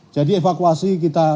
jadi evakuasi kita